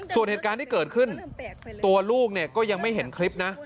ส่วนเหตุการณ์ที่เกิดขึ้นตัวลูกเนี่ยก็ยังไม่เห็นคลิปนะ